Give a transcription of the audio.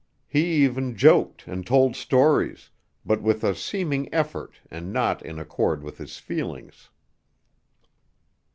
He even joked and told stories, but with a seeming effort and not in accord with his feelings.